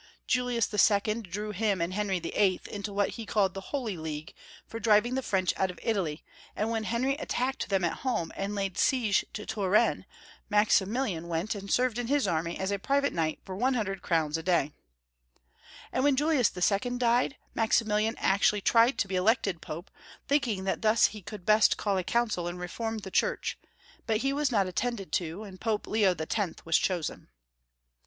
Julius II. drew him and Henry VIII. into what he called the Holy League, for driving the French out of Italy, and when Henry attacked them at home, and laid siege to Terouenne, Maximilian 264 Young Folk%* History of Germany. went and served in his axmy as a private knight for 100 crowns a day. And when Julius II. died, Maximilian actually tried to be elected Pope, thinking that thus he could best call a council and reform the Church, but he was not attended to, and Pope Leo X. was chosen.